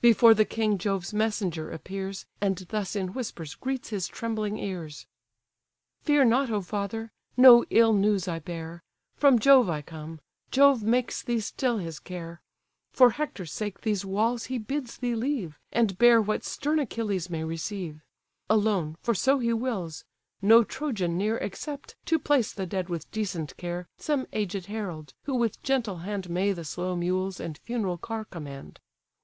Before the king Jove's messenger appears, And thus in whispers greets his trembling ears: "Fear not, O father! no ill news I bear; From Jove I come, Jove makes thee still his care; For Hector's sake these walls he bids thee leave, And bear what stern Achilles may receive; Alone, for so he wills; no Trojan near, Except, to place the dead with decent care, Some aged herald, who with gentle hand May the slow mules and funeral car command.